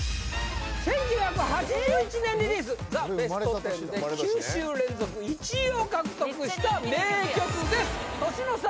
１９８１年リリース「ザ・ベストテン」で９週連続１位を獲得した名曲です年の差！